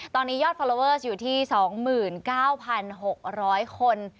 ตอนนี้ยอดฟอร์โลเวอร์อยู่ที่สองหมื่นเจ็ดพันหกร้อยคน